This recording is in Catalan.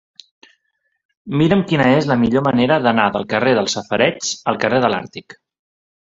Mira'm quina és la millor manera d'anar del carrer dels Safareigs al carrer de l'Àrtic.